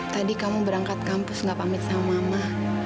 tadi kamu berangkat kampus gak pamit sama mama